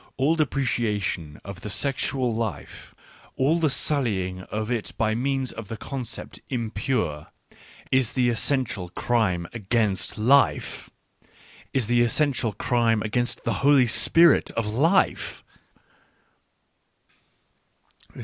All depreciation of the sexual life, all the sullying of it by means of the concept ' impure/ is the essen tialcrimeagainstLife — is the essential crime against the Holy Spirit of Life."